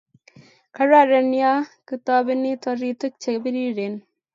kararan ya kitobeni toritik che biriren